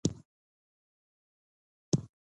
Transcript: پکتیا د افغانستان د شنو سیمو ښکلا ده.